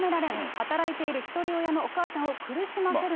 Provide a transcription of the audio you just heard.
働いている一人親のお母ちゃんを苦しませるな。